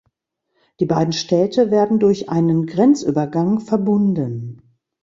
Die beiden Städte werden durch einen Grenzübergang verbunden.